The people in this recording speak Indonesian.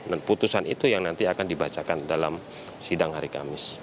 dan putusan itu yang nanti akan dibacakan dalam sidang hari kamis